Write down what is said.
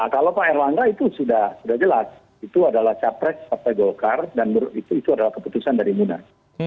kalau pak erlangga itu sudah jelas itu adalah capres partai golkar dan itu adalah keputusan dari munas